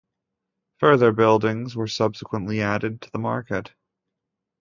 Further buildings were subsequently added to the market.